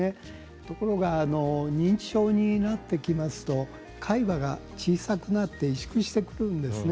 ところが認知症になってきますと海馬が小さくなって萎縮してくるんです。